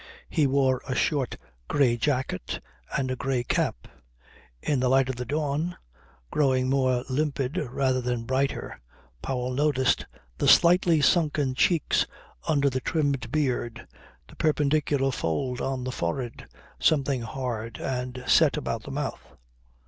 He wore a short grey jacket and a grey cap. In the light of the dawn, growing more limpid rather than brighter, Powell noticed the slightly sunken cheeks under the trimmed beard, the perpendicular fold on the forehead, something hard and set about the mouth.